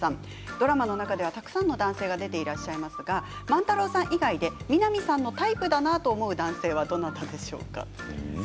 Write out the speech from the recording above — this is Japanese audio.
ドラマの中ではたくさんの男性が出ていらっしゃいますが万太郎さん以外で美波さんのタイプだなと思う男性はどなたでしょうかということです。